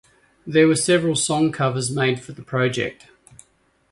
There were several song covers made for the project.